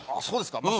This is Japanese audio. そうですか。